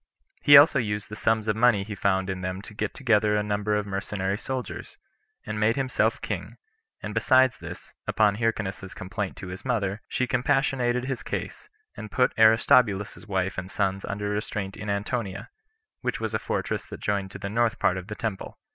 He also used the sums of money he found in them to get together a number of mercenary soldiers, and made himself king; and besides this, upon Hyrcanus's complaint to his mother, she compassionated his case, and put Aristobulus's wife and sons under restraint in Antonia, which was a fortress that joined to the north part of the temple.